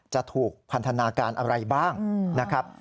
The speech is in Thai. จะถูกพันธนาการอะไรบ้างนะครับ